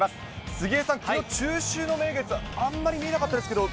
杉江さん、きのう中秋の名月、あんまり見えなかったですけど、